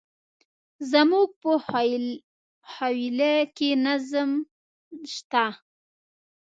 زموږ په حویلی کي نظم شته.